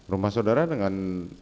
rumah saudara dengan